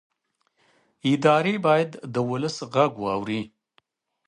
ادارې باید د ولس غږ واوري